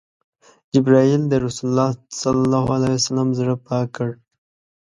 جبرئیل د رسول الله ﷺ زړه پاک کړ.